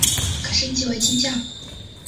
可升级为金将。